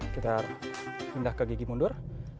kita pindah ke gigi mundur